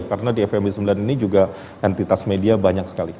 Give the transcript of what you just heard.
karena di fmb sembilan ini juga entitas media banyak sekali